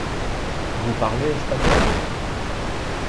Vous parlez espagnol ?